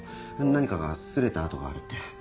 何かが擦れた跡があるって。